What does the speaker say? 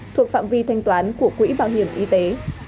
thuộc phạm vi thanh toán của quỹ bảo hiểm y tế